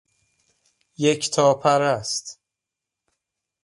یکتا پرست